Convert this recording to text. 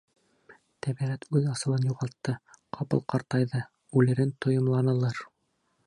Тәбиғәт үҙ асылын юғалтты, ҡапыл ҡартайҙы, үлерен тойомланылыр.